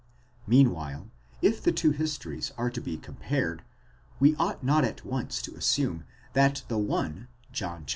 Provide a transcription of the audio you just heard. Meanwhile, if the two histories are to be compared, we ought not at once to assume that the one, John xxi.